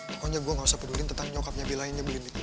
pokoknya gue gak usah peduliin tentang nyokapnya bella ini beli nikmuk